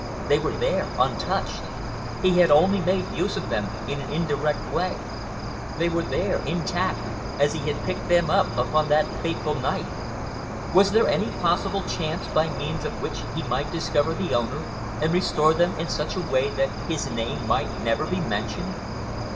They were there untouched. He had only made use of them in an indirect way. They were there intact, as he had picked them up upon that fateful night. Was there any possible chance by means of which he might discover the owner and restore them in such a way that his name might never be mentioned?